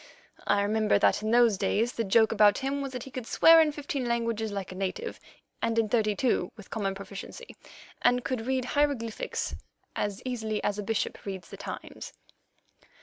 I remember that in those days the joke about him was that he could swear in fifteen languages like a native and in thirty two with common proficiency, and could read hieroglyphics as easily as a bishop reads the Times.